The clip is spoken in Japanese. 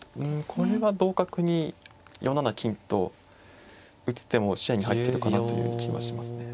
これは同角に４七金と打つ手も視野に入ってるかなという気はしますね。